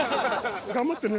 頑張ってね。